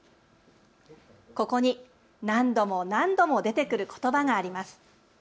ここに何度も何度も出てくることばがあります。